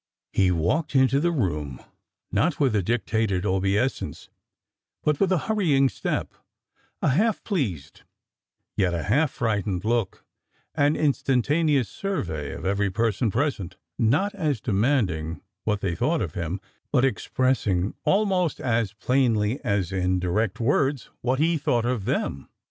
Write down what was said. He walked into the room, not with a dictated obeisance, but with a hurrying step, a half pleased, yet a half frightened look, an instantaneous survey of every person present; not as demanding "what they thought of him," but expressing almost as plainly as in direct words, "what he thought of them."